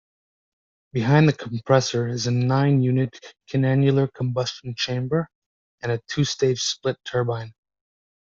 Behind the compressor is a nine-unit can-annular combustion chamber and a two-stage split turbine.